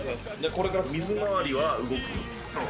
これから水回りは動くよ。